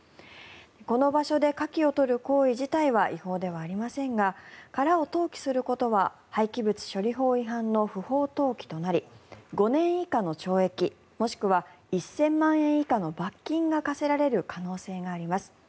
この場所でカキを取る行為自体は違法ではありませんが殻を投棄することは廃棄物処理法違反の不法投棄となり５年以下の懲役もしくは１０００万円以下の罰金が科せられる可能性があります。